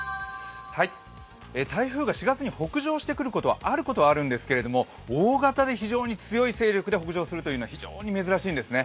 台風が４月に北上してくることは、あることはあるんですけれども、大型で非常に強い勢力で北上するというのは非常に珍しいんですね。